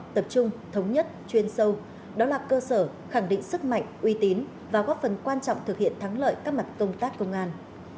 tập trung thống nhất chuyên sâu đó là cơ sở khẳng định sức mạnh uy tín và góp phần quan trọng thực hiện thắng lợi các mặt công tác công an